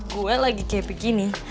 gue lagi kayak begini